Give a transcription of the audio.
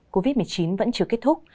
covid một mươi chín vẫn chưa kết thúc